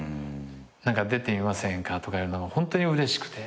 何か出てみませんかとか言われるのホントにうれしくて。